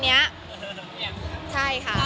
มีใครปิดปาก